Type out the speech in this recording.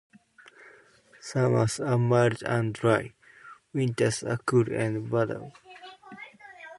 Summers are mild and dry, winters are cool and wetter.